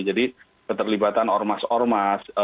jadi keterlibatan ormas ormas